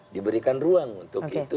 diberikan ruang untuk itu